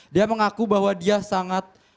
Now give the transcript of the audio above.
dia mengaku bahwa dia sangat